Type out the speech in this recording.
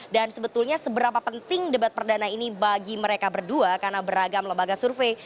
dan sebetulnya seberapa penting debat perdana ini bagi mereka berdua karena beragam lembaga survei